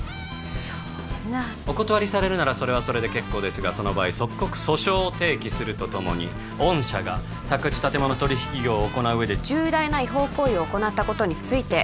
そんなお断りされるならそれはそれで結構ですがその場合即刻訴訟を提起するとともに御社が宅地建物取引業を行う上で重大な違法行為を行ったことについて